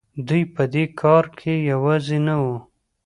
دوی په دې کار کې یوازې نه وو.